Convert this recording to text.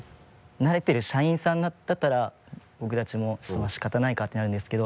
慣れている社員さんだったら僕たちもそれは仕方ないかってなるんですけど。